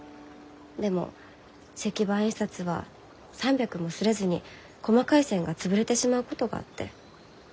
でも石版印刷は３００も刷れずに細かい線が潰れてしまうことがあって。